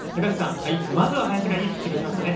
まずは林がいいピッチングしましたね。